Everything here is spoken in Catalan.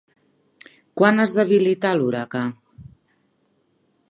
Quan es debilità l'huracà?